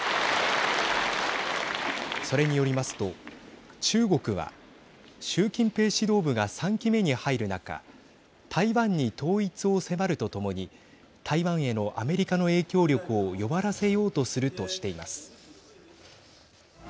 それによりますと中国は習近平指導部が３期目に入る中台湾に統一を迫るとともに台湾へのアメリカの影響力を弱らせようとするとしています。